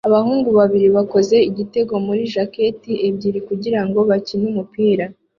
Abahungu babiri bakoze igitego muri jacketi ebyiri kugirango bakine umupira